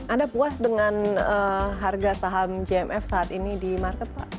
anda puas dengan harga saham gmf saat ini di market pak